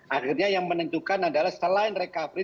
akhirnya yang menentukan adalah selain recovery